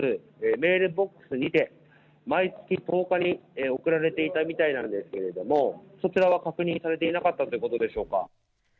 メールボックスにて、毎月１０日に送られていたみたいなんですけど、そちらは確認されていなかったということでしょうか？